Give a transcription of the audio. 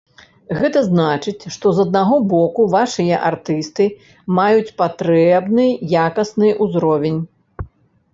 Гэта значыць, што з аднаго боку вашыя артысты маюць патрэбны якасны ўзровень.